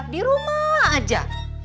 di rumah aja